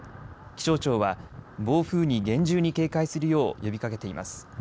気象庁は暴風に厳重に警戒するよう呼びかけています。